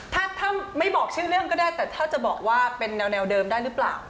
ถ้าไม่บอกชื่อเรื่องก็ได้แต่ถ้าจะบอกว่าเป็นแนวเดิมได้หรือเปล่า